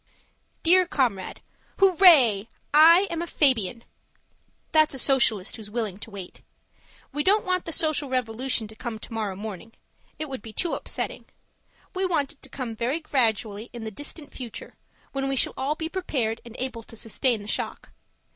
Dear Comrade, Hooray! I'm a Fabian. That's a Socialist who's willing to wait. We don't want the social revolution to come tomorrow morning; it would be too upsetting. We want it to come very gradually in the distant future, when we shall all be prepared and able to sustain the shock.